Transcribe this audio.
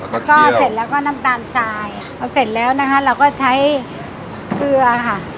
แล้วก็เสร็จแล้วก็น้ำตาลทรายพอเสร็จแล้วนะคะเราก็ใช้เกลือค่ะ